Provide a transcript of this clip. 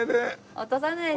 落とさないでよ。